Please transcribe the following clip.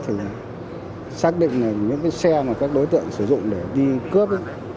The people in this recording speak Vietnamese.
thì là xác định là những cái xe mà các đối tượng sử dụng để đi cướp